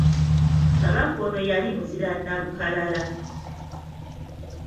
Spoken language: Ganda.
Kabaka ono yali muzira nnalukalala.